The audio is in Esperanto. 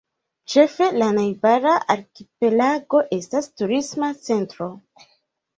Ĉefe la najbara arkipelago estas turisma centro.